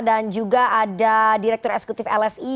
dan juga ada direktur eksekutif lsi